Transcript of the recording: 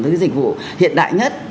tức là dịch vụ hiện đại nhất